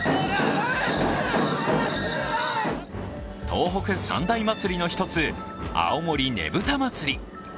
東北三大祭りの１つ、青森ねぶた祭。